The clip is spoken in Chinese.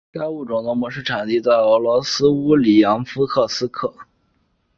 该物种的模式产地在俄罗斯乌里扬诺夫斯克。